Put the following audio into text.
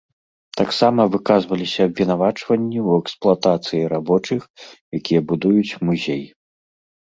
Таксама выказваліся абвінавачванні ў эксплуатацыі рабочых, якія будуюць музей.